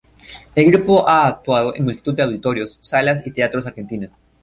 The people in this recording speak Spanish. El grupo ha actuado en multitud de auditorios, salas y teatros de Argentina.